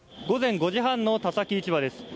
午前５時半の田崎市場です。